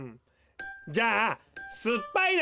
じゃあすっぱいの。